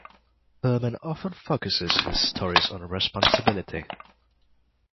Furman often focuses his stories on responsibility.